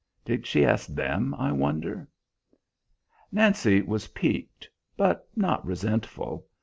Did she ask them, I wonder?" Nancy was piqued, but not resentful.